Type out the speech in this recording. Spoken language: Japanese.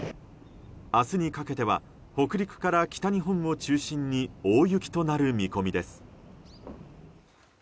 明日にかけては北陸から北日本を中心に大雪となる見込みです。